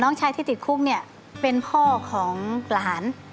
ชายที่ติดคุกเนี่ยเป็นพ่อของหลาน